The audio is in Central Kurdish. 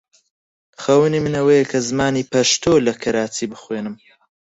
خەونی من ئەوەیە کە زمانی پەشتۆ لە کەراچی بخوێنم.